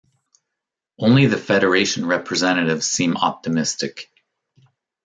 Only the Federation representatives seem optimistic.